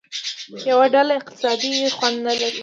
یوه ډله اقتصادي خوند نه لري.